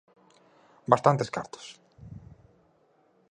Bastantes cartos.